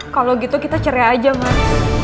kalau gitu kita cerai aja mas